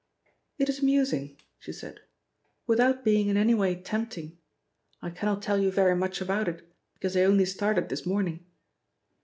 "It is amusing," she said, "without being in any way tempting! I cannot tell you very much about it, because I only started this morning."